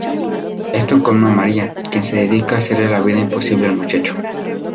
Esto colma a María, quien se dedica a hacerle la vida imposible al muchacho.